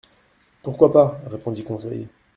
—Pourquoi pas ? répondit Conseil.